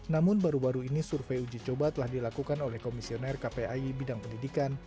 namun baru baru ini survei uji coba telah dilakukan oleh komisioner kpai bidang pendidikan